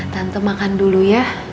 tante makan dulu ya